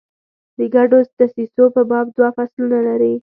د ګډو دسیسو په باب دوه فصلونه لري.